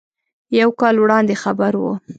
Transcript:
یو کال وړاندې خبر و.